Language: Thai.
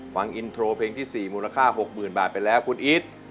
ฟังอินโทรเพลงที่๔มูลค่า๖๐๐๐บาทไปแล้วคุณอีท